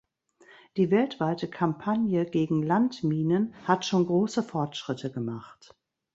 Die weltweite Kampagne gegen Landminen hat schon große Fortschritte gemacht.